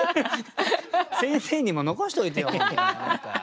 先生にも残しておいてよ何か。